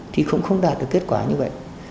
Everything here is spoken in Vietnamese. thì cũng không đạt được kết quả như vậy